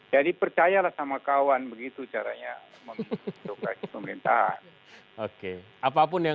jadi percayalah sama kawan begitu caranya memiliki doprasi pemerintahan